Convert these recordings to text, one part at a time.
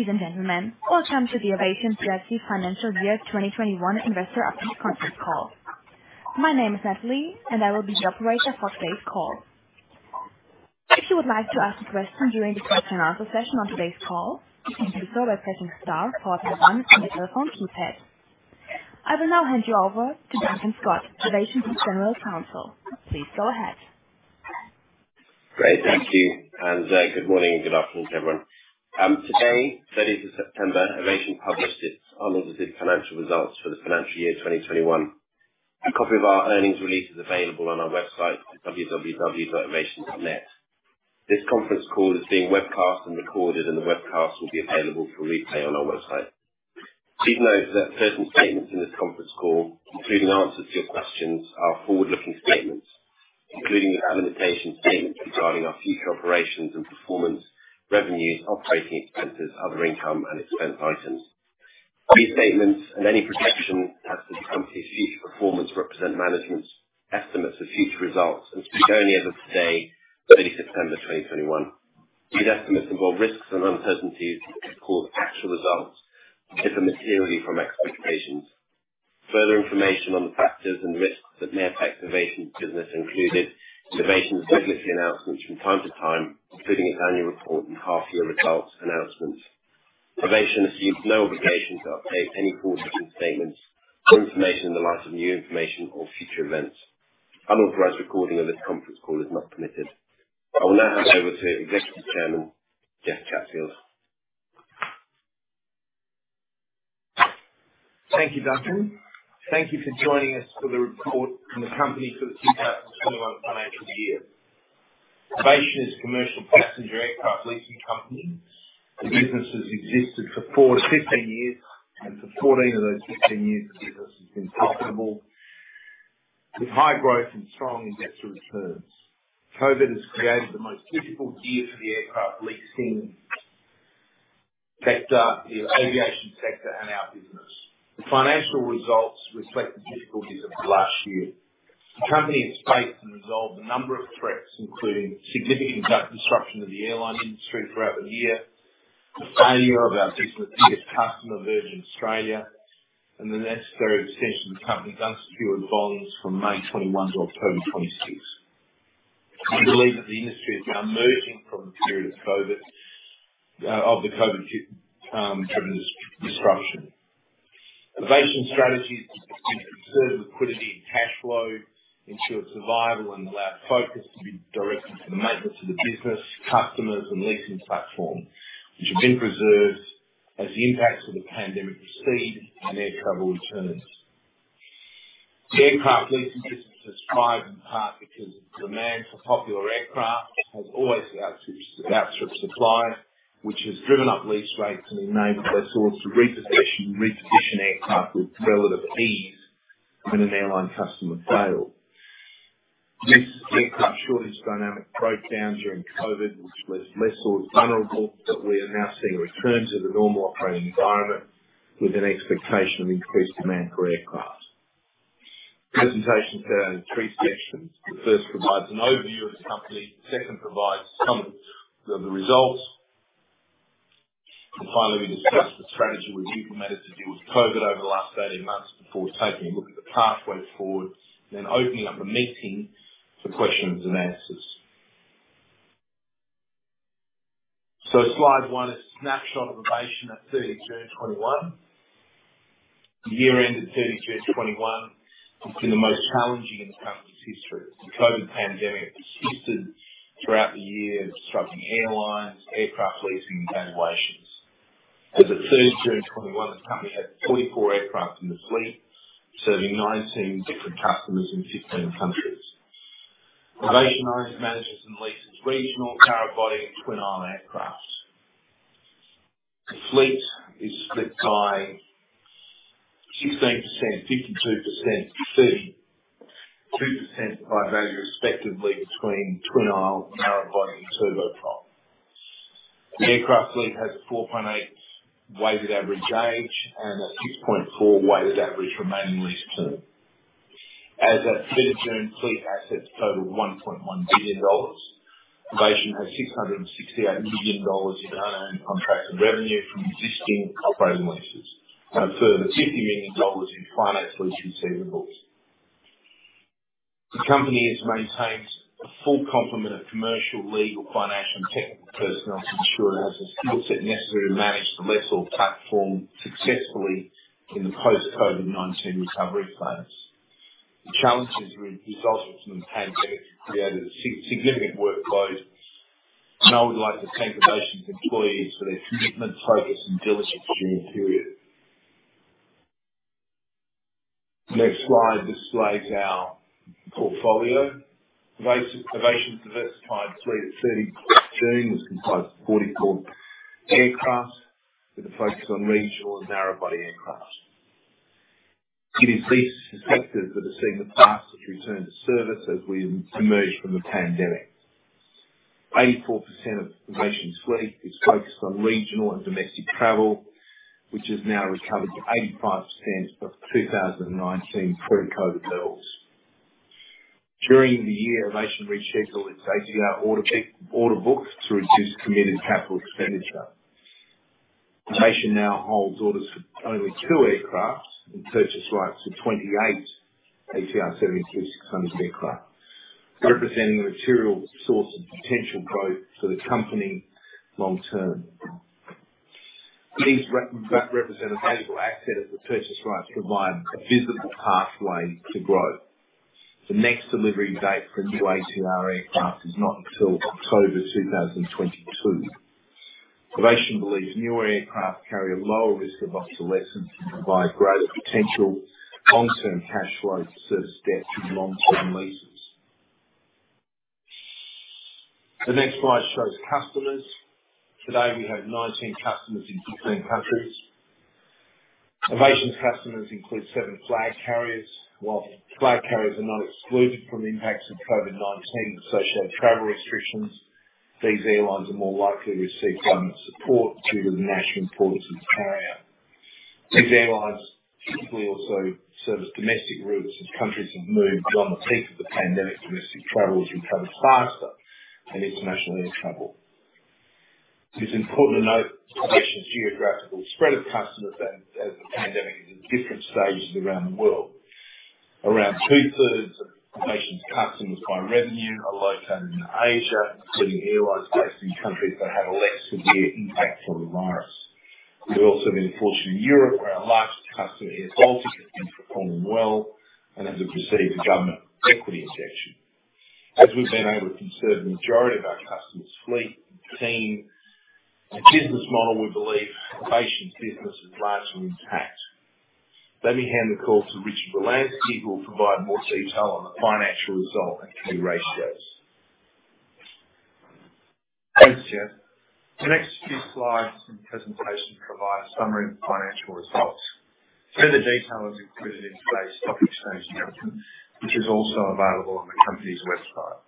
Ladies and gentlemen, welcome to the Avation PLC Financial Year 2021 Investor Update Conference Call. My name is Natalie, and I will be your operator for today's call. If you would like to ask a question during the question and answer session on today's call, you can do so by pressing star followed by one on your telephone keypad. I will now hand you over to Duncan Scott, Avation's General Counsel. Please go ahead. Great. Thank you, good morning and good afternoon, everyone. Today, September 30, Avation published its unaudited financial results for the financial year 2021. A copy of our earnings release is available on our website at www.avation.net. This conference call is being webcast and recorded, and the webcast will be available for replay on our website. Please note that certain statements in this conference call, including answers to your questions, are forward-looking statements, including without limitation statements regarding our future operations and performance, revenues, operating expenses, other income, and expense items. These statements and any projections as to the company's future performance represent management's estimates of future results and speak only as of today, 30 September 2021. These estimates involve risks and uncertainties that could cause actual results to differ materially from expectations. Further information on the factors and risks that may affect Avation's business are included in Avation's regulatory announcements from time to time, including its annual report and half-year results announcements. Avation assumes no obligation to update any forward-looking statements or information in the light of new information or future events. Unauthorized recording of this conference call is not permitted. I will now hand over to Executive Chairman, Jeff Chatfield. Thank you, Duncan. Thank you for joining us for the report from the company for the 2021 financial year. Avation is a commercial passenger aircraft leasing company. The business has existed for 15 years, and for [14 years] of those 15 years, the business has been profitable with high growth and strong investor returns. COVID has created the most difficult year for the aircraft leasing sector, the aviation sector, and our business. The financial results reflect the difficulties of last year. The company has faced and resolved a number of threats, including significant debt disruption to the airline industry throughout the year, the failure of our biggest customer, Virgin Australia, and the necessary extension of the company's unsecured borrowings from May 2021 to October 2026. We believe that the industry is now emerging from the period of the COVID-driven destruction. Avation's strategy has been to conserve liquidity and cash flow, ensure survival, and allow focus to be directed to the maintenance of the business customers and leasing platform, which have been preserved as the impacts of the pandemic recede and air travel returns. The aircraft leasing business has thrived in part because the demand for popular aircraft has always outstripped supply, which has driven up lease rates and enabled lessors to reposition aircraft with relative ease when an airline customer fails. This aircraft shortage dynamic broke down during COVID, which left lessors vulnerable, but we are now seeing a return to the normal operating environment with an expectation of increased demand for aircraft. The presentation is in three sections. The first provides an overview of the company, the second provides some of the results, finally, we discuss the strategy we've implemented to deal with COVID over the last [13 months] before taking a look at the pathway forward, opening up the meeting for questions and answers. Slide one is a snapshot of Avation at 30 June 2021. The year ended 30 June 2021 has been the most challenging in the company's history. The COVID pandemic persisted throughout the year, disrupting airlines, aircraft leasing, and valuations. As at 30 June 2021, the company had 44 aircraft in its fleet, serving 19 different customers in 15 countries. Avation owns, manages, and leases regional narrow-body twin-aisle aircrafts. The fleet is split by 16%, 52%, and 32% by value, respectively, between twin-aisle, narrow-body, and turboprop. The aircraft fleet has a 4.8 weighted average age and a 6.4 weighted average remaining lease term. As at 30 June, fleet assets totaled $1.1 billion. Avation has $668 million in unearned contracted revenue from existing operating leases and a further $50 million in finance lease receivables. The company has maintained a full complement of commercial, legal, financial, and technical personnel to ensure it has the skill set necessary to manage the lessor platform successfully in the post-COVID-19 recovery phase. The challenges resulting from the pandemic have created a significant workload, and I would like to thank Avation's employees for their commitment, focus, and diligence during the period. The next slide displays our portfolio. Avation's diversified fleet at 30 June was comprised of 44 aircrafts, with a focus on regional and narrow-body aircraft. It is these sectors that have seen the fastest return to service as we emerge from the pandemic. 84% of Avation's fleet is focused on regional and domestic travel, which has now recovered to 85% of 2019 pre-COVID levels. During the year, Avation rescheduled its ATR order book to reduce committed capital expenditure. Avation now holds orders for only two aircraft and purchase rights for 28 ATR 72-600 aircraft, representing a material source of potential growth for the company long-term. These represent available access as the purchase rights provide a visible pathway to growth. The next delivery date for new ATR aircraft is not until October 2022. Avation believes newer aircraft carry a lower risk of obsolescence and provide greater potential long-term cash flow to service debt and long-term leases. The next slide shows customers. Today, we have 19 customers in 15 countries. Avation's customers include seven flag carriers. While flag carriers are not excluded from the impacts of COVID-19 and associated travel restrictions, these airlines are more likely to receive government support due to the national importance they carry out. These airlines typically also service domestic routes, as countries have moved beyond the peak of the pandemic, domestic travel has recovered faster than international air travel. It is important to note Avation's geographical spread of customers as the pandemic is at different stages around the world. Around two-thirds of Avation's customers by revenue are located in Asia, including airlines based in countries that had a less severe impact from the virus. We also have been fortunate in Europe, where our largest customer, airBaltic, has been performing well and has received a government equity injection. As we've been able to conserve the majority of our customers' fleet, team, and business model, we believe Avation's business is largely intact. Let me hand the call to Richard Wolanski, who will provide more detail on the financial result and key ratios. Thanks, Jeff. The next few slides in the presentation provide a summary of the financial results. Further detail is included in today's stock exchange announcement, which is also available on the company's website.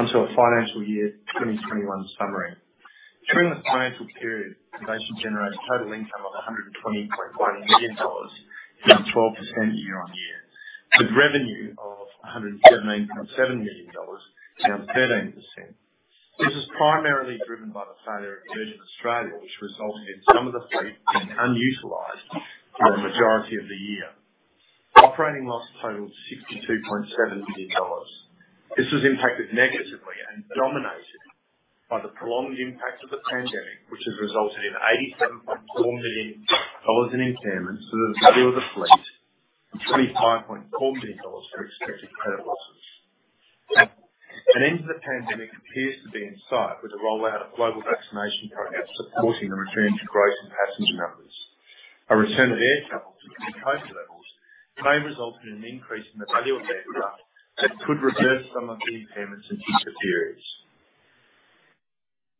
On to our financial year 2021 summary. During this financial period, Avation generated total income of $120.1 million, down 12% year-on-year, with revenue of $117.7 million, down 13%. This was primarily driven by the failure of Virgin Australia, which resulted in some of the fleet being unutilized for the majority of the year. Operating loss totaled $62.7 million. This was impacted negatively and dominated by the prolonged impact of the pandemic, which has resulted in $87.4 million in impairments to the value of the fleet and $25.4 million for expected credit losses. An end to the pandemic appears to be in sight, with the rollout of global vaccination programs supporting the return to growth in passenger numbers. A return of air travel to pre-COVID-19 levels may result in an increase in the value of aircraft that could reverse some of the impairments in future periods.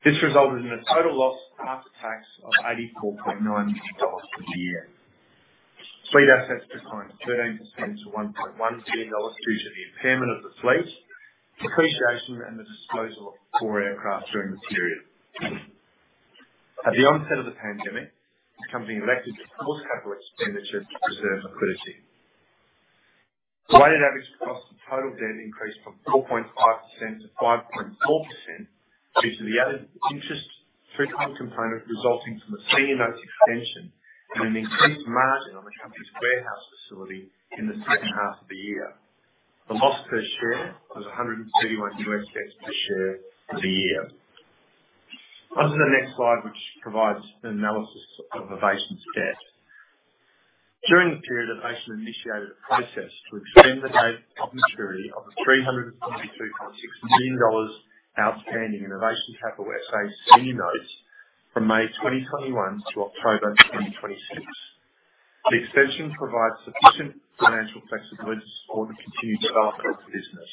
This resulted in a total loss after tax of $84.9 million for the year. Fleet assets declined 13% to $1.1 billion due to the impairment of the fleet, depreciation, and the disposal of four aircraft during the period. At the onset of the pandemic, the company elected to pause capital expenditure to preserve liquidity. The weighted average cost of total debt increased from 4.5% to 5.4% due to the added interest free component resulting from the senior notes extension and an increased margin on the company's warehouse facility in the second half of the year. The loss per share was [$131] per share for the year. On to the next slide, which provides an analysis of Avation's debt. During the period, Avation initiated a process to extend the date of maturity of the $322.6 million outstanding in Avation Capital S.A. senior notes from May 2021 to October 2026. The extension provides sufficient financial flexibility to support the continued stability of the business.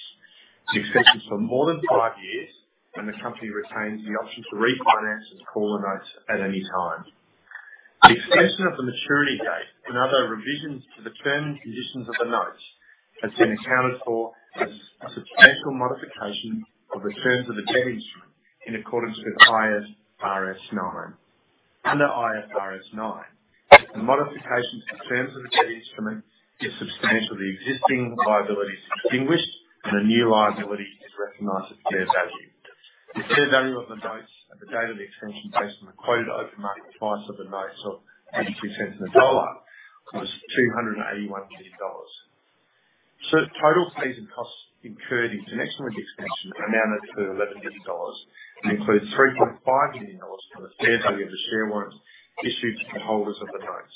The extension is for more than five years. The company retains the option to refinance or call the notes at any time. The extension of the maturity date and other revisions to the terms and conditions of the notes has been accounted for as a substantial modification of the terms of the debt instrument in accordance with IFRS 9. Under IFRS 9, if the modifications to terms of the debt instrument is substantial, the existing liability is extinguished and a new liability is recognized at fair value. The fair value of the notes at the date of the extension based on the quoted open market price of the notes of $0.82 on the dollar was $281 million. The total transaction costs incurred in connection with the extension amounted to $11 million and includes $3.5 million for the fair value of the share warrants issued to the holders of the notes.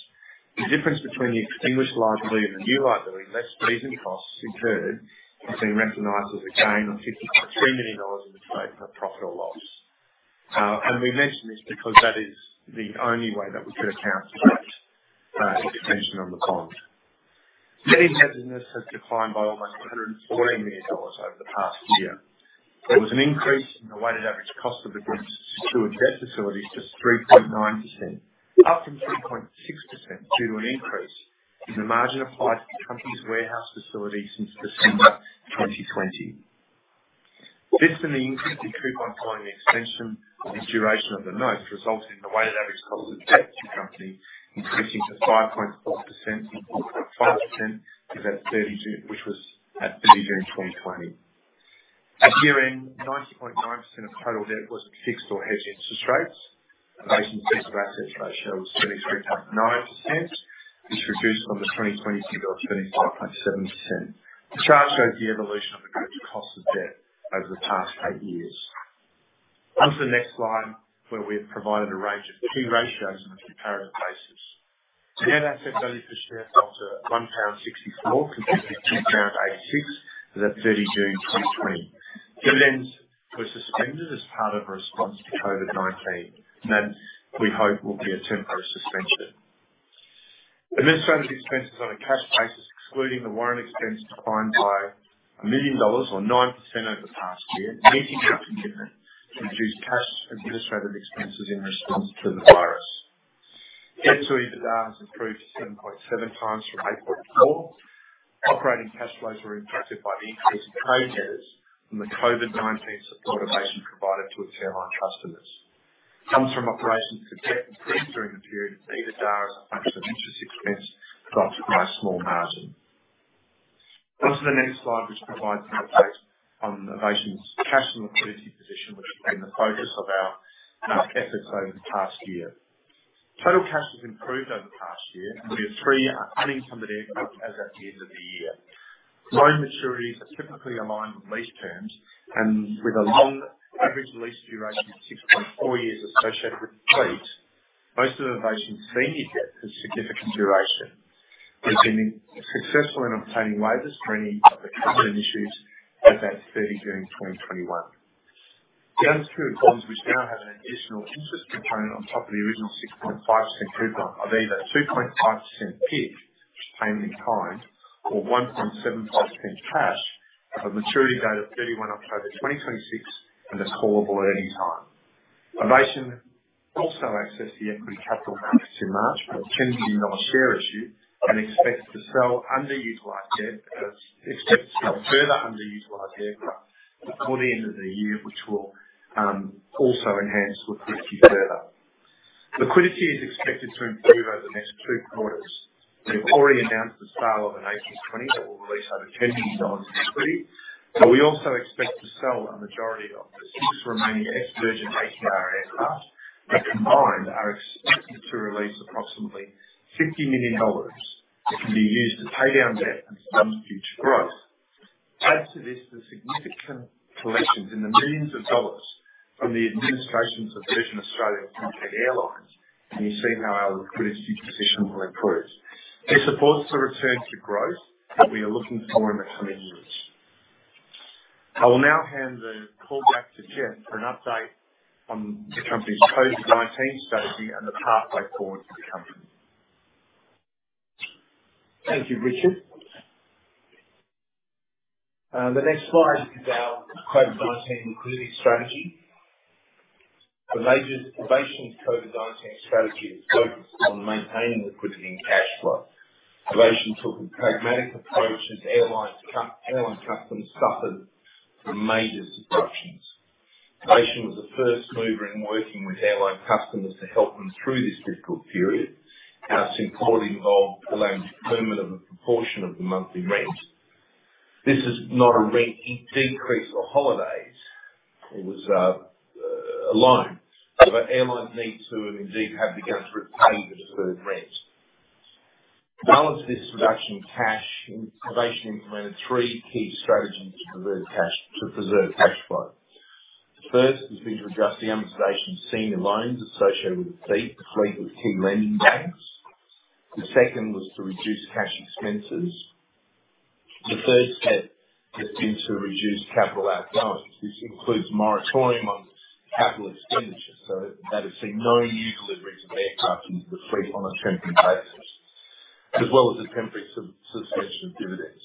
The difference between the extinguished liability and the new liability, less transaction costs incurred, has been recognized as a gain of $53 million in the trade for profit or loss. We mention this because that is the only way that we could account for that extension on the bond. Debt heaviness has declined by almost $114 million over the past year. There was an increase in the weighted average cost of the group's secured debt facilities to 3.9%, up from 3.6% due to an increase in the margin applied to the company's warehouse facility since December 2020. This and the increase in coupon following the extension of the duration of the notes resulted in the weighted average cost of debt to the company increasing to 5.4%, from 5% as at 30 June, which was at 30 June 2020. At year-end, 90.9% of total debt was fixed or hedged interest rates. Avation's debt-to-assets ratio is 23.9%, which reduced from the 2022 of 25.7%. The chart shows the evolution of the group's cost of debt over the past eight years. Onto the next slide, where we have provided a range of key ratios on a comparative basis. The net asset value per share is up to £1.64, compared to £1.86 as at 30 June 2020. That, we hope, will be a temporary suspension. Administrative expenses on a cash basis, excluding the warrant expense declined by $1 million or 9% over the past year, cash administrative expenses in response to the virus. Debt to EBITDA has improved to 7.7 times from 8.4. Operating cash flows were impacted by the increase in pay hedges from the COVID-19 support Avation provided to its airline customers. EBITDA as a function of interest expense dropped a very small margin. The next slide provides an update on Avation's cash and liquidity position, which has been the focus of our efforts over the past year. Total cash has improved over the past year, and we have three unencumbered aircraft as at the end of the year. Loan maturities are typically aligned with lease terms, and with a long average lease duration of 6.4 years associated with the fleet, most of Avation's senior debt has significant duration. We've been successful in obtaining waivers for any of the outstanding issues as at 30 June 2021. The other 2 loans, which now have an additional interest component on top of the original 6.5% coupon, are either 2.5% PIK Is payment in kind, or 1.75% cash, have a maturity date of 31 October 2026 and are callable at any time. Avation also accessed the equity capital markets in March with a $10 million share issue, expects to sell further underutilized aircraft before the end of the year, which will also enhance liquidity further. Liquidity is expected to improve over the next [three quarters]. We've already announced the sale of an A320 that will release over $20 million in equity, we also expect to sell a majority of the six remaining ex-Virgin ATR aircraft, that combined are expected to release approximately $50 million that can be used to pay down debt and fund future growth. Add to this the significant collections in the millions of dollars from the administrations of Virgin Australia and Qantas Airlines, you see how our liquidity position will improve. This supports the return to growth that we are looking for in the coming years. I will now hand the call back to Jeff for an update on the company's COVID-19 strategy and the pathway forward for the company. Thank you, Richard. The next slide is our COVID-19 liquidity strategy. Avation's COVID-19 strategy is focused on maintaining liquidity and cash flow. Avation took a pragmatic approach as airline customers suffered from major disruptions. Avation was the first mover in working with airline customers to help them through this difficult period. Our support involved allowing deferment of a proportion of the monthly rent. This is not a rent decrease or holidays. It was a loan. The airlines need to indeed, have begun to repay the deferred rent. To balance this reduction in cash, Avation implemented three key strategies to preserve cash flow. The first has been to adjust the amortization of senior loans associated with the fleet with key lending banks. The second was to reduce cash expenses. The third step has been to reduce capital outcomes. This includes a moratorium on capital expenditures. That has seen no new deliveries of aircraft into the fleet on a trending basis, as well as a temporary suspension of dividends.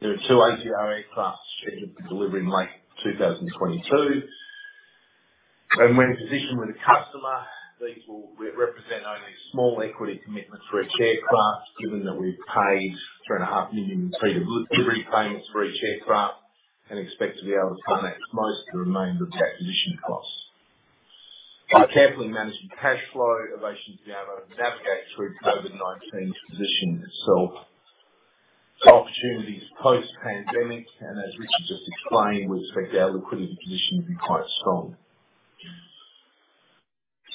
There are two ATR aircraft scheduled for delivery in late 2022, and when in position with the customer, these will represent only a small equity commitment for each aircraft, given that we've paid $3.5 million in fee-free repayments for each aircraft, and expect to be able to finance most of the remainder of that position cost. By carefully managing cash flow, Avation has been able to navigate through COVID-19 to position itself for opportunities post-pandemic, and as Richard just explained, we expect our liquidity position to be quite strong.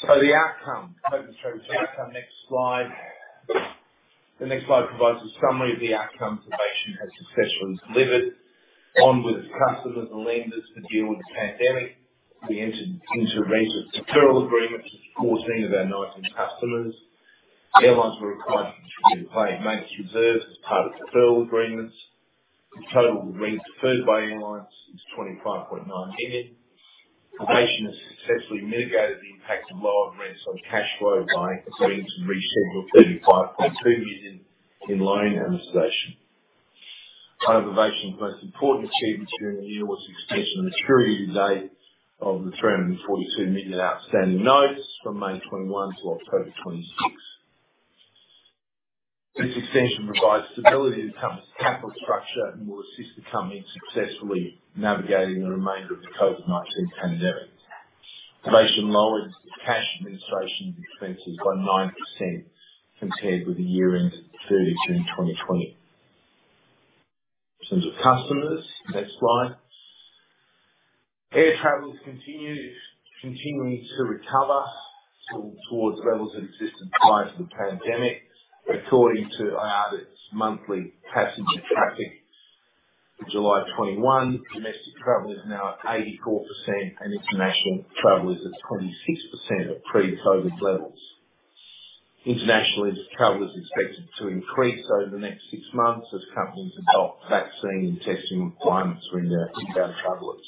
The outcome. Hope we show the outcome next slide. The next slide provides a summary of the outcome. Avation has successfully delivered on with its customers and lenders to deal with the pandemic. We entered into a range of deferral agreements with 14 of our 19 customers. Airlines were required to pay maintenance reserves as part of deferral agreements. The total rent deferred by airlines is $25.9 million. Avation has successfully mitigated the impact of lower rents on cash flow by agreeing to reschedule $35.2 million in loan amortization. One of Avation's most important achievements during the year was the extension of the maturity date of the $342 million outstanding notes from May 2021 to October 2026. This extension provides stability to the company's capital structure and will assist the company in successfully navigating the remainder of the COVID-19 pandemic. Avation lowered its cash administration expenses by 9% compared with the year-end, 30th June 2020. In terms of customers, next slide. Air travel is continuing to recover towards levels that existed prior to the pandemic. According to OAG's monthly passenger traffic, for July 2021, domestic travel is now at 84%, and international travel is at 26% of pre-COVID-19 levels. International travel is expected to increase over the next six months as companies adopt vaccine and testing requirements for their inbound travelers.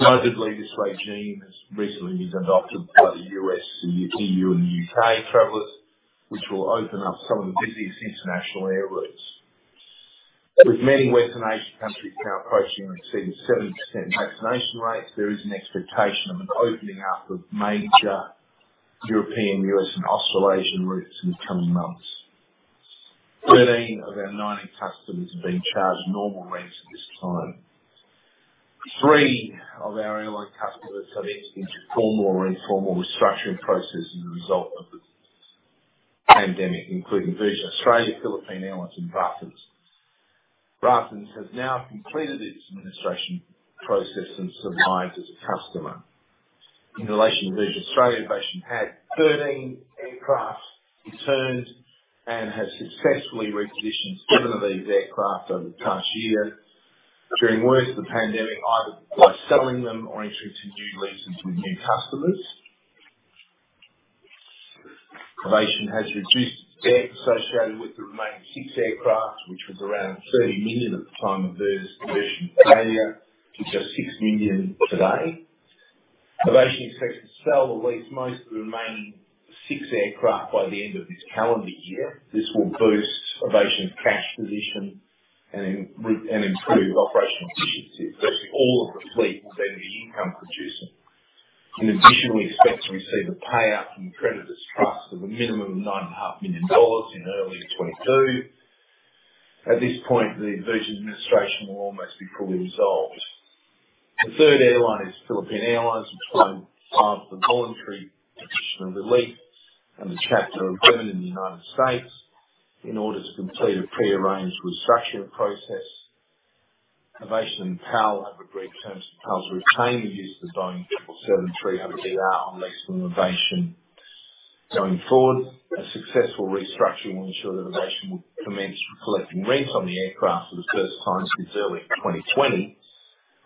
Notably, this regime has recently been adopted by the U.S., [U.K., and the EU travellers], which will open up some of the busiest international air routes. With many Western Asia countries now approaching or exceeding 70% vaccination rates, there is an expectation of an opening up of major European, U.S., and Australasian routes in the coming months. 13 of our 90 customers are being charged normal rents at this time. Three of our airline customers have entered into formal or informal restructuring processes as a result of the pandemic, including Virgin Australia, Philippine Airlines, and Braathens. Braathens has now completed its administration process and survives as a customer. In relation to Virgin Australia, Avation had 13 aircraft returned and has successfully reconditioned seven of these aircraft over the past year during the worst of the pandemic, either by selling them or entering into new leases with new customers. Avation has reduced debt associated with the remaining six aircraft, which was around $30 million at the time of Virgin Australia, to just $6 million today. Avation expects to sell or lease most of the remaining six aircraft by the end of this calendar year. This will boost Avation's cash position and improve operational efficiency, especially all of the fleet will then be income producing. In addition, we expect to receive a payout from the creditors' trust of a minimum of $9.5 million in early 2022. At this point, the Virgin administration will almost be fully resolved. The third airline is Philippine Airlines, which filed part of the voluntary additional relief under Chapter 11 in the United States in order to complete a pre-arranged restructuring process. Avation and PAL have agreed terms for PAL to retain the use of the Boeing 737-800 on lease from Avation. Going forward, a successful restructuring will ensure that Avation will commence collecting rent on the aircraft for the first time since early 2020.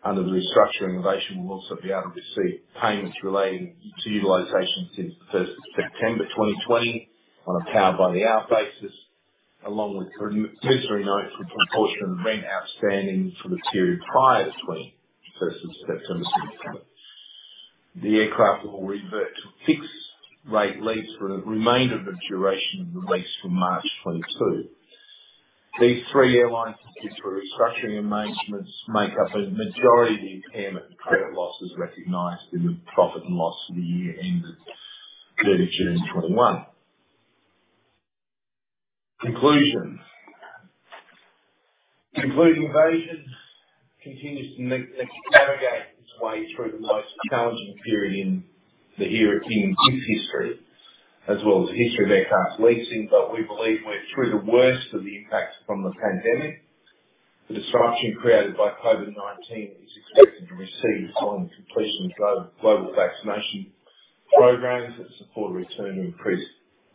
Under the restructuring, Avation will also be able to receive payments relating to utilization since the 1st of September 2020 on a power by the hour basis, along with temporary notes for proportion of rent outstanding for the period prior to 1st of September. The aircraft will revert to fixed rate lease for the remainder of the duration of the lease from March 2022. These three airlines, through restructuring arrangements, make up a majority of the impairment and credit losses recognized in the profit and loss for the year ended 30th June 2021. Conclusion. In conclusion, Avation continues to navigate its way through the most challenging period in its history, as well as the history of aircraft leasing. We believe we're through the worst of the impact from the pandemic. The disruption created by COVID-19 is expected to recede following the completion of global vaccination programs that support a return to increased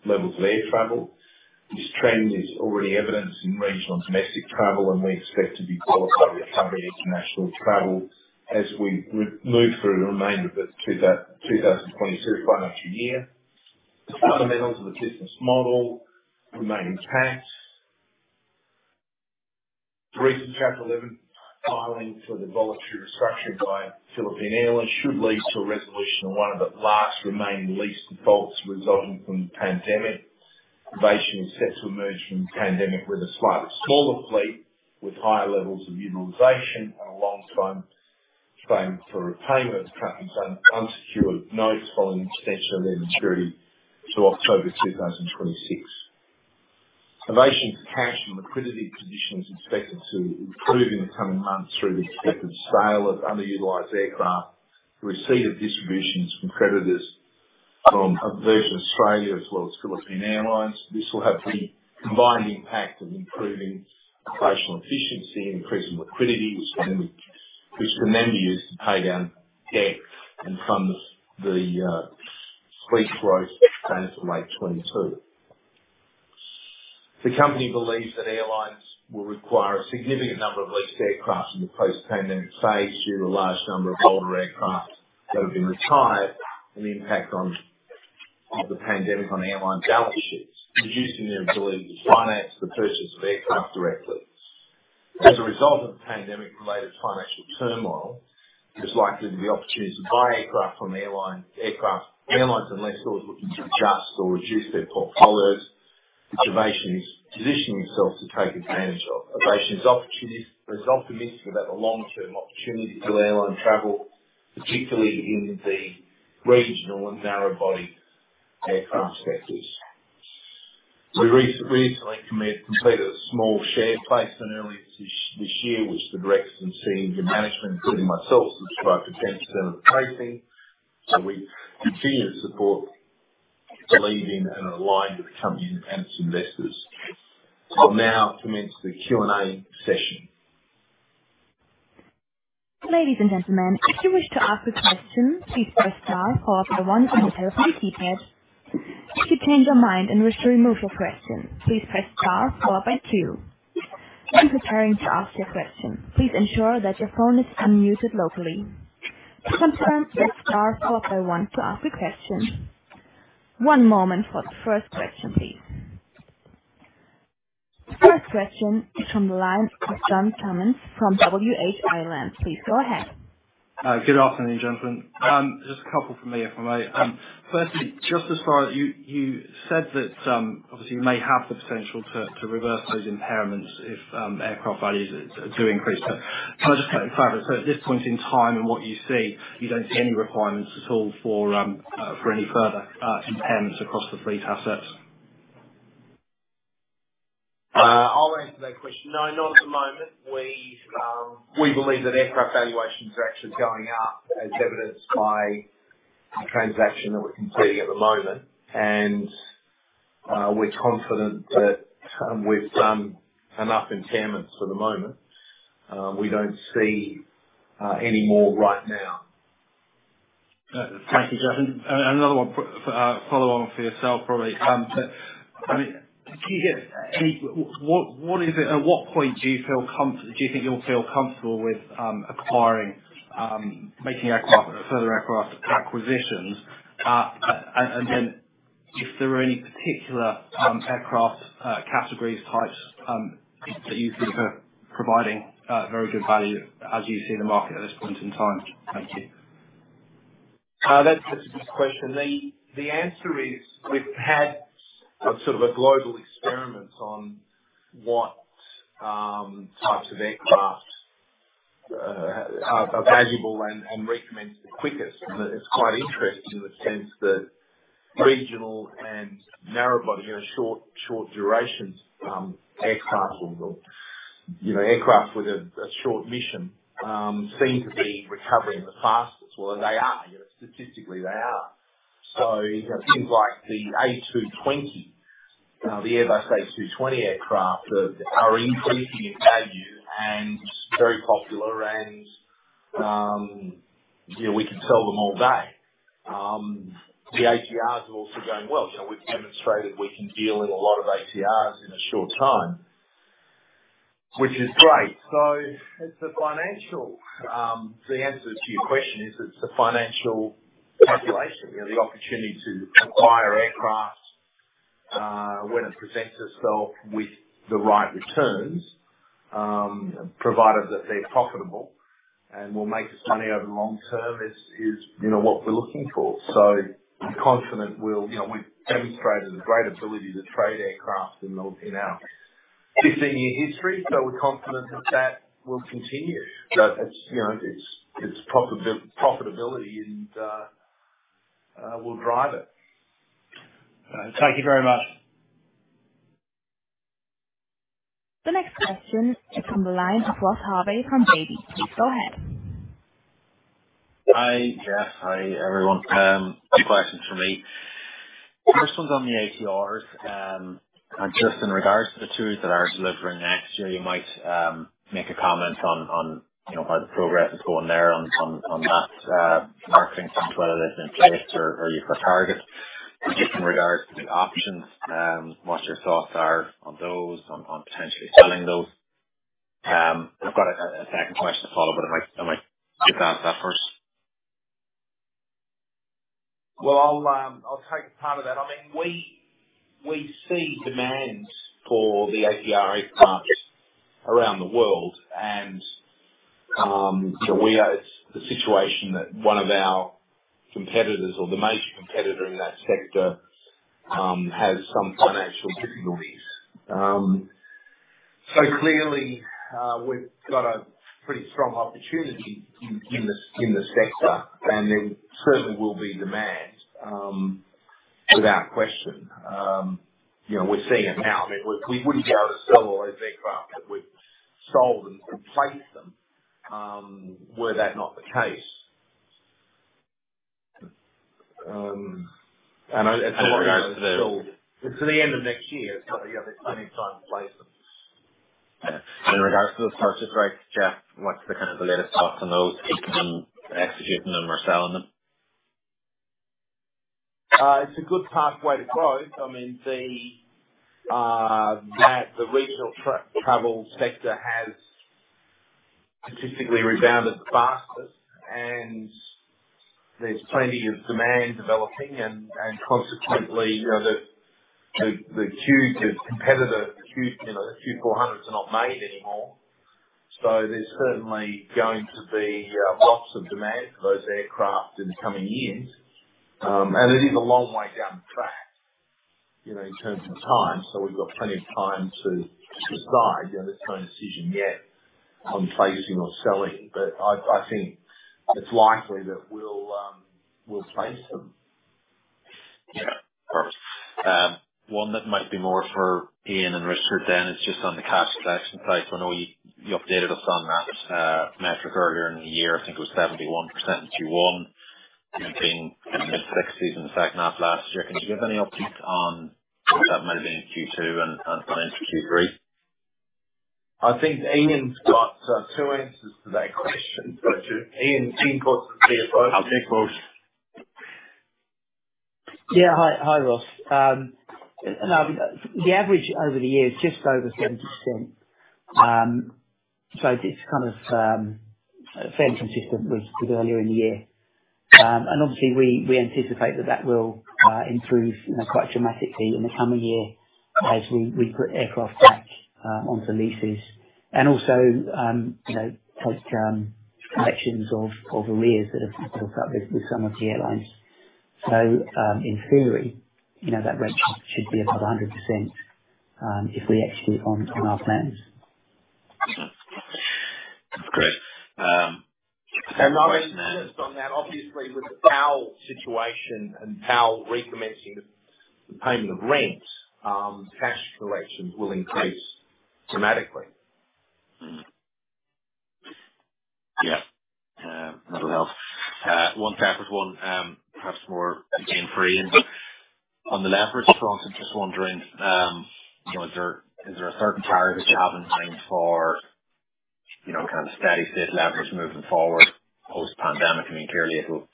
levels of air travel. This trend is already evidenced in regional and domestic travel, and we expect to be followed by a recovery in international travel as we move through the remainder of the 2022 financial year. The fundamentals of the business model remain intact. The recent Chapter 11 filing for the voluntary restructuring by Philippine Airlines should lead to a resolution of one of the last remaining lease defaults resulting from the pandemic. Avation is set to emerge from the pandemic with a slightly smaller fleet, with higher levels of utilization and a long-term frame for repayment of the company's unsecured notes following the extension of their maturity to October 2026. Avation's cash and liquidity position is expected to improve in the coming months through the expected sale of underutilized aircraft, the receipt of distributions from creditors from Virgin Australia as well as Philippine Airlines. This will have the combined impact of improving operational efficiency and increasing liquidity, which can then be used to pay down debt and fund the fleet growth planned for late 2022. The company believes that airlines will require a significant number of leased aircraft in the post-pandemic phase due to the large number of older aircraft that have been retired and the impact of the pandemic on airline balance sheets, reducing their ability to finance the purchase of aircraft directly. As a result of the pandemic-related financial turmoil, there's likely to be opportunities to buy aircraft from airlines and lessors looking to adjust or reduce their portfolios, which Avation is positioning itself to take advantage of. Avation is optimistic about the long-term opportunities for airline travel, particularly in the regional and narrow-body aircraft sectors. We recently completed a small share placement earlier this year, which the directors and senior management, including myself, subscribed to 10% of the placing. We continue to support, believe in, and align with the company and its investors. I'll now commence the Q&A session. Ladies and gentlemen, if you wish to ask a question, please press star followed by one on your telephone keypad. If you change your mind and wish to remove your question, please press star followed by two. When preparing to ask your question, please ensure that your phone is unmuted locally. To confirm, press star followed by one to ask a question. One moment for the first question, please. First question is from the line of [John Cummins] from WH Ireland. Please go ahead. Good afternoon, gentlemen. Just a couple from me, if I may. Firstly, just as far as you said that, obviously, you may have the potential to reverse those impairments if aircraft values do increase. Can I just clarify that? At this point in time and what you see, you don't see any requirements at all for any further impairments across the fleet assets? I'll answer that question. No, not at the moment. We believe that aircraft valuations are actually going up, as evidenced by the transaction that we're completing at the moment, and we're confident that we've done enough impairments for the moment. We don't see any more right now. Thank you, [Jeff]. Another one, follow on for yourself, probably. At what point do you think you'll feel comfortable with acquiring, making further aircraft acquisitions? If there are any particular aircraft categories, types, that you think are providing very good value as you see the market at this point in time? Thank you. That's a good question. The answer is, we've had a sort of a global experiment on what types of aircraft are valuable and recommend the quickest. It's quite interesting in the sense that regional and narrow-body, short duration aircraft or aircraft with a short mission, seem to be recovering the fastest. Well, they are. Statistically, they are. Things like the A220, the Airbus A220 aircraft, are increasing in value and very popular, and we can sell them all day. The ATR is also going well. We've demonstrated we can deal in a lot of ATRs in a short time, which is great. The answer to your question is, it's the financial calculation. The opportunity to acquire aircraft, when it presents itself with the right returns, provided that they're profitable and will make us money over the long term, is what we're looking for. We're confident we've demonstrated a great ability to trade aircraft in our 15-year history. We're confident that that will continue. It's profitability, and we'll drive it. Thank you very much. The next question is from the line of Ross Harvey from [Davy]. Please go ahead. Hi, Jeff. Hi, everyone. Two questions from me. First one's on the ATRs, and just in regards to the two that are delivering next year, you might make a comment on how the progress is going there on that marketing front, whether that's been unplaced or are you for target. Just in regards to the options, what your thoughts are on those, on potentially selling those. I've got a second question to follow, but I might just ask that first. Well, I'll take part of that. We see demand for the ATR aircraft around the world, and it's the situation that one of our competitors or the major competitor in that sector, has some financial difficulties. Clearly, we've got a pretty strong opportunity in the sector, and there certainly will be demand, without question. We're seeing it now. We wouldn't be able to sell all those aircraft that we've sold and replace them, were that not the case. And in regards to the. Until the end of next year, you have plenty of time to place them. In regards to those purchase rights, Jeff, what's the latest thoughts on those, keeping them, executing them, or selling them? It's a good pathway to growth. The regional travel sector has statistically rebounded the fastest, and there's plenty of demand developing, and consequently, the competitor, the Q400s, are not made anymore. There's certainly going to be lots of demand for those aircraft in the coming years, and it is a long way down the track in terms of time. We've got plenty of time to decide. There's no decision yet on phasing or selling, but I think it's likely that we'll phase them. Yeah. Perfect. One that might be more for Ian and Richard then is just on the cash collection side. I know you updated us on that metric earlier in the year. I think it was 71% in Q1, in the mid-sixties in the second half of last year. Can you give any updates on where that may have been in Q2 and into Q3? I think Ian's got two answers to that question. Got you. Ian, team calls for you both. Okay, cool. Yeah. Hi, Ross. The average over the year is just over 70%. It's kind of fairly consistent with earlier in the year. Obviously, we anticipate that will improve quite dramatically in the coming year as we put aircraft back onto leases. Also take collections of arrears that have built up with some of the airlines. In theory, that ratio should be about 100%, if we execute on our plans. That's great. Just on that, obviously, with the PAL situation and PAL recommencing the payment of rent, cash collections will increase dramatically. Yeah. That'll help. One separate one, perhaps more again for Ian. On the leverage front, I'm just wondering, is there a certain target that you have in mind for kind of steady-state leverage moving forward post-pandemic? I mean, clearly, it'll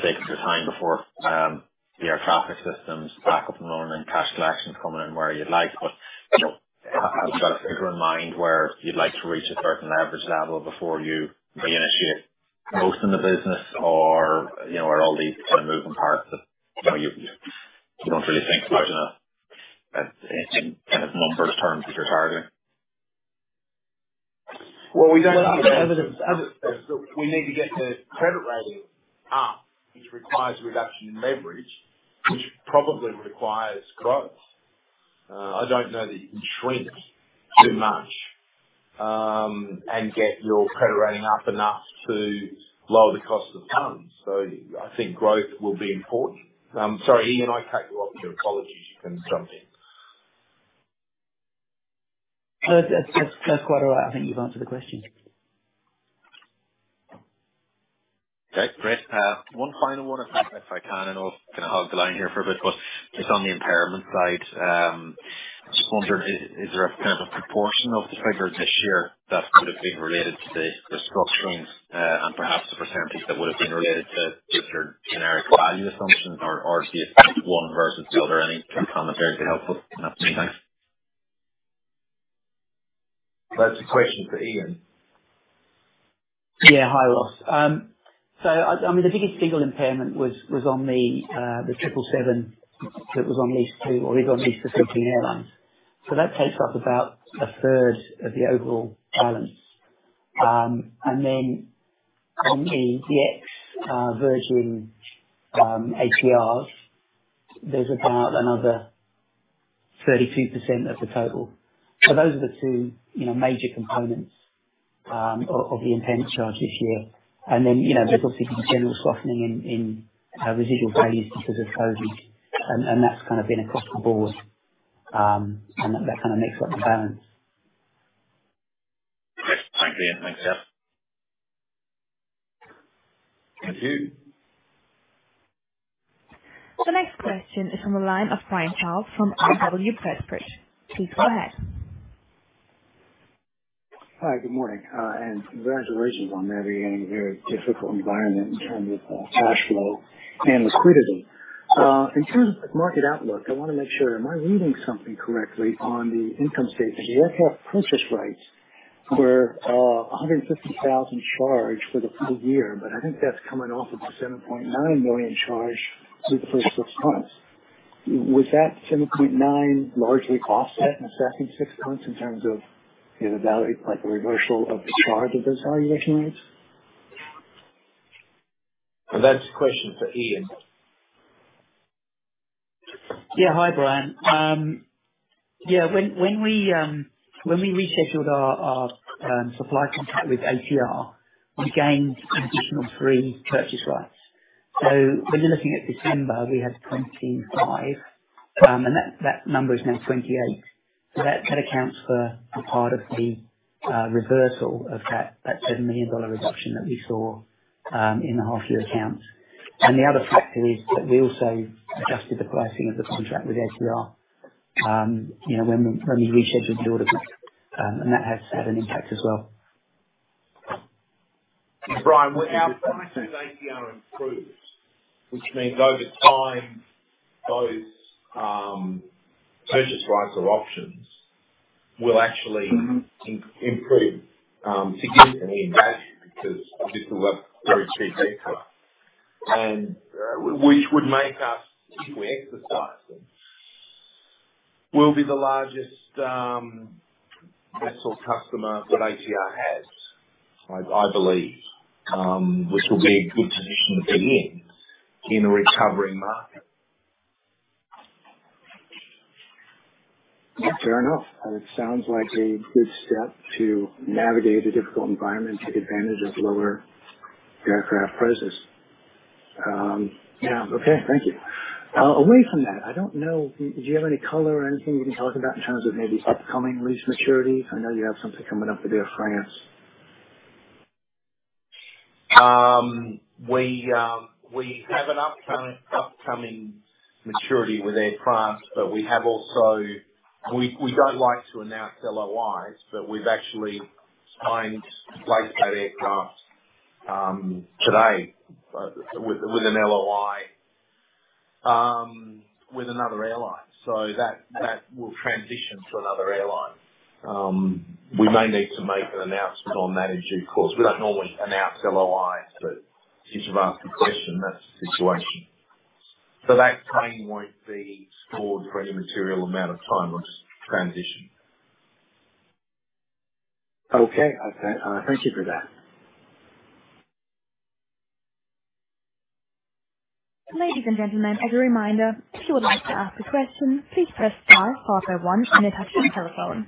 take some time before the air traffic systems back up and running and cash collections coming in where you'd like. Have you got a figure in mind where you'd like to reach a certain leverage level before you reinitiate growth in the business? Are all these kind of moving parts that you don't really think about in kind of numbered terms that you're targeting? Well, we need to get the credit rating up, which requires a reduction in leverage, which probably requires growth. I don't know that you can shrink too much, and get your credit rating up enough to lower the cost of funds. I think growth will be important. I'm sorry, Ian, I cut you off. Apologies. You can jump in. No, that's quite all right. I think you've answered the question. Okay, great. One final one, if I can. I know I'm going to hog the line here for a bit, but just on the impairment side. Just wondering, is there a kind of proportion of the figure this year that could have been related to the restructuring and perhaps a percentage that would have been related to just your generic value assumptions or just one versus the other? Any commentary would be helpful on that. Thanks. That's a question for Ian. Hi, Ross. The biggest single impairment was on the 777 that was on lease to or is on lease to Philippine Airlines. That takes up about a third of the overall balance. In the ex-Virgin ATRs, there's about another 32% of the total. Those are the two major components of the impairment charge this year. There's obviously general softening in residual values because of COVID, and that's kind of been across the board. That kind of makes up the balance. Yes. Thanks, Ian. Thanks for that. Thank you. The next question is from the line of Brian Charles from R.W. Pressprich. Please go ahead. Hi, good morning. Congratulations on navigating a very difficult environment in terms of cash flow and liquidity. In terms of market outlook, I want to make sure, am I reading something correctly on the income statement? You have purchase rights for a $150,000 charge for the full year, but I think that's coming off of a $7.9 million charge for the first six months. Was that $7.9 largely offset in the second six months in terms of the reversal of the charge of those valuation rates? That's a question for Ian. Yeah. Hi, Brian. Yeah, when we rescheduled our supply contract with ATR, we gained an additional three purchase rights. When you're looking at December, we had [25 purchase rights], and that number is now [28 purchase rights]. That accounts for part of the reversal of that $7 million reduction that we saw in the half year accounts. The other factor is that we also adjusted the pricing of the contract with ATR when we rescheduled the order, and that has had an impact as well. Brian, our pricing with ATR improved, which means over time, those purchase rights or options will actually improve significantly in value because this is a very cheap aircraft, and which would make us keen to exercise them. We will be the largest lessor customer that ATR has, I believe. Which will be a good position to be in a recovering market. Fair enough. It sounds like a good step to navigate a difficult environment, take advantage of lower aircraft prices. Yeah. Okay. Thank you. Away from that, I don't know, do you have any color or anything you can tell us about in terms of maybe upcoming lease maturities? I know you have something coming up with Air France. We have an upcoming maturity with Air France. We don't like to announce LOIs, we've actually signed, placed that aircraft today with an LOI with another airline. That will transition to another airline. We may need to make an announcement on that in due course. We don't normally announce LOIs, since you've asked the question, that's the situation. That plane won't be stored for any material amount of time. It's transitioned. Okay. Thank you for that. Ladies and gentlemen, as a reminder, if you would like to ask a question, please press star, followed by one on your touchtone telephone.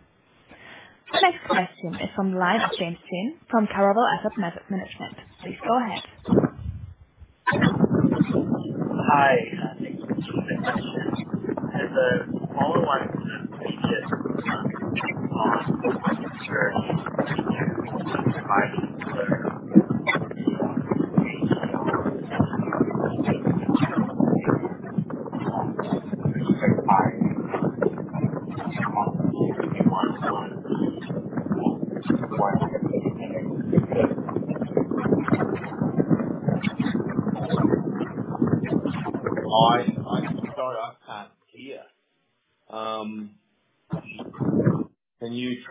The next question is from the line of James Chin from Caravel Asset Management. Please go ahead. Hi. Thank you for taking my question. As a follow-on to. I'm sorry, I can't hear. Can you try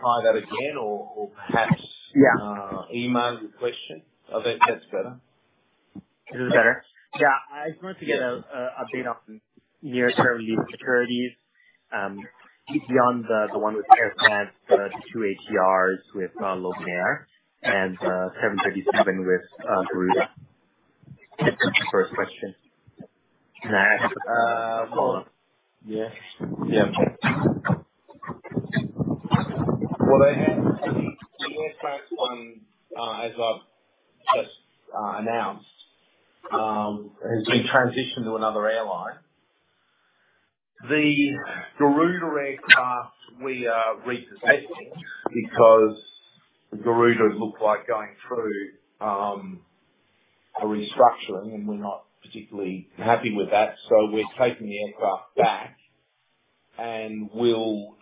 that again? Yeah. Email the question? I think that's better. Is this better? Yeah. I just wanted to get an update on near-term lease maturities, beyond the one with Air France, the two ATRs with Loganair, and the 737 with Garuda. First question. Well. Yeah. Yeah. Well, the Air France one, as I've just announced, has been transitioned to another airline. The Garuda aircraft we are repossessing because Garuda look like going through a restructuring, and we're not particularly happy with that. We're taking the aircraft back and we'll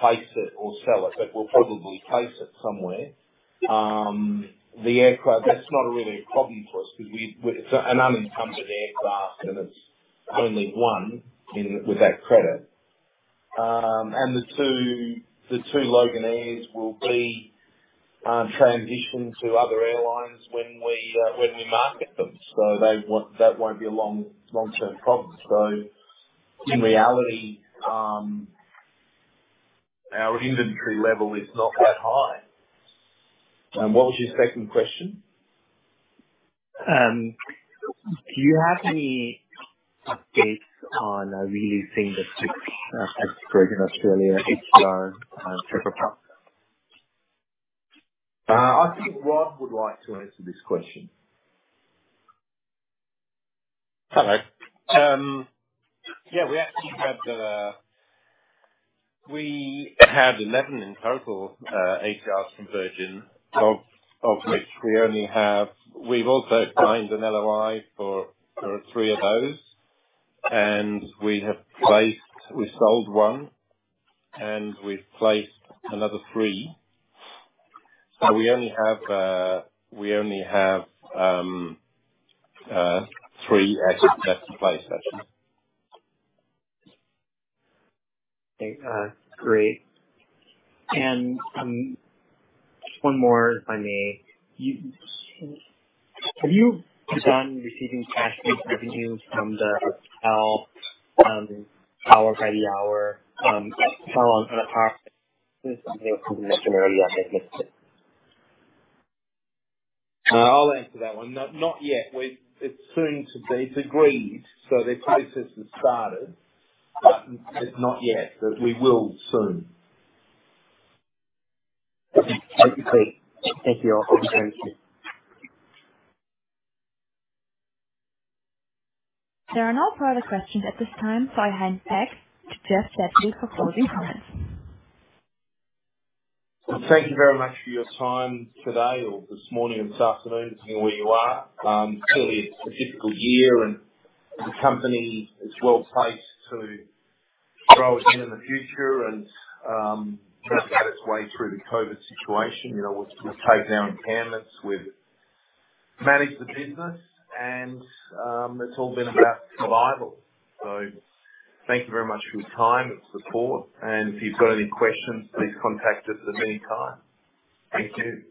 place it or sell it, but we'll probably place it somewhere. That's not really a problem for us because it's an unencumbered aircraft, and it's only one with that credit. The two Loganairs will be transitioned to other airlines when we market them. That won't be a long-term problem. In reality, our inventory level is not that high. What was your second question? Do you have any updates on re-leasing the six ex-Virgin Australia ATRs? I think Rob would like to answer this question. Hello. Yeah, we actually had 11 in total ATRs from Virgin, of which we've also signed an LOI for three of those. We have placed, we sold one, and we've placed another three. We only have three ex-Virgin ATRs placed actually. Great. One more, if I may. Have you begun receiving cash-based revenue from the power by the hour since it was mentioned earlier? I missed it. I'll answer that one. Not yet. It's soon to be. It's agreed, so the process has started, but it's not yet. We will soon. Thank you, Jeff Chatfield. Thank you. I appreciate it. There are no further questions at this time. I hand back to Jeff Chatfield for closing comments. Thank you very much for your time today or this morning or this afternoon, depending on where you are. Clearly, it's a difficult year, and the company is well-placed to grow again in the future and navigate its way through the COVID situation. We've taken down impairments. We've managed the business, and it's all been about survival. Thank you very much for your time and support. If you've got any questions, please contact us at any time. Thank you.